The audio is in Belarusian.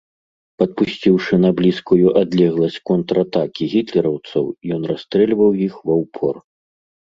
Падпусціўшы на блізкую адлегласць контратакі гітлераўцаў, ён расстрэльваў іх ва ўпор.